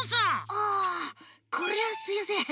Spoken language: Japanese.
あこりゃすいやせん。